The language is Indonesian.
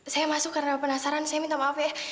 saya masuk karena penasaran saya minta maaf ya